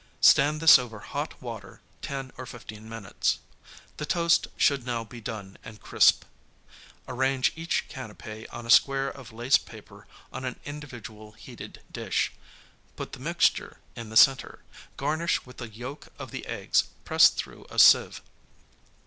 Stand this over hot water ten or fifteen minutes. The 72toast should now be done and crisp. Arrange each canapķ on a square of lace paper on an individual heated dish, put the mixture in the center, garnish with the yolk of the eggs pressed through a sieve.